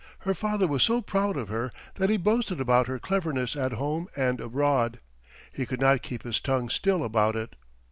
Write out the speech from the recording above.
Her father was so proud of her that he boasted about her cleverness at home and abroad. He could not keep his tongue still about it.